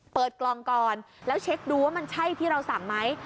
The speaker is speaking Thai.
เปิดกล่องก่อนแล้วเช็คดูว่ามันใช่ที่เราสั่งไหม